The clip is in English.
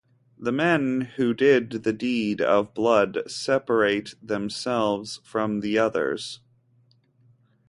The men who did the deed of blood separate themselves from the others.